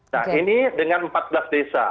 nah ini dengan empat belas desa